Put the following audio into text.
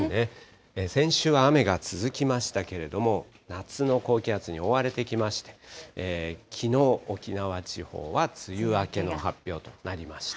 先週は雨が続きましたけれども、夏の高気圧に覆われてきまして、きのう、沖縄地方は梅雨明けの発表となりました。